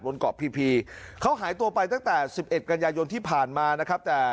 บนเกาะพีเขาหายตัวไปตั้งแต่สิบเอ็ดกัญญาณยนต์ที่ผ่านมานะครับ